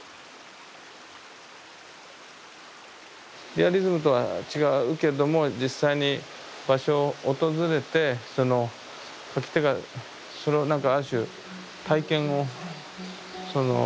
リアリズムとは違うけれども実際に場所を訪れて描き手がそのなんかある種体験を。